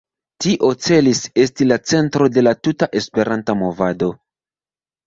Tio celis esti la centro de la tuta Esperanta movado.